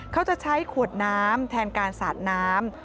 เขาจะใช้ขวดน้ำแทนการสาดน้ำ